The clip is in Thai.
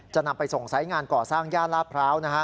นำไปส่งสายงานก่อสร้างย่านลาดพร้าว